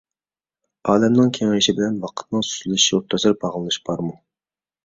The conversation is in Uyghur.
ئالەمنىڭ كېڭىيىشى بىلەن ۋاقىتنىڭ سۇسلىشىشى ئوتتۇرىسىدا باغلىنىش بارمۇ؟